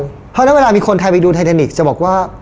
เพราะฉะนั้นเวลามีคนไทยไปดูไทแทนิกส์จะบอกว่า